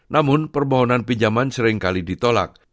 namun permohonan pinjaman seringkali ditolak